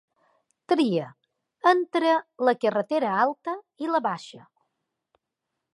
Tria entre la carretera alta i la baixa.